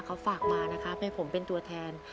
เขาฝากมานะครับให้ผมเป็นตัวแทน